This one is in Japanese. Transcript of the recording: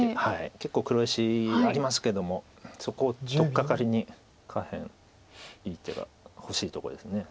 結構黒石ありますけどもそこを取っかかりに下辺いい手が欲しいとこです。